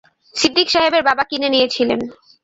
সিদ্দিক সাহেবের বাবা কিনে নিয়েছিলেন।